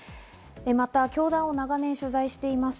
また教団を長年取材しています